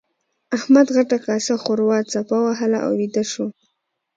احمد غټه کاسه ښوروا څپه وهله او ويده شو.